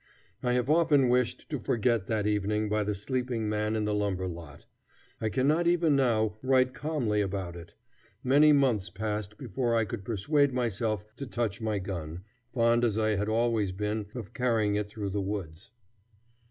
I have often wished to forget that evening by the sleeping man in the lumber lot. I cannot even now write calmly about it. Many months passed before I could persuade myself to touch my gun, fond as I had always been of carrying it through the woods.